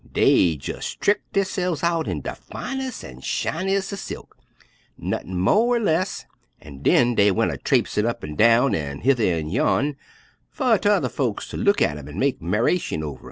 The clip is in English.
Dey jes' tricked derse'fs out in de fines' an' shinies' er silk, nuttin' mo' ner less, an' den dey went a traipsin' up an' down an' hether an' yon, fer tu'rr folks ter look at an' mek 'miration over.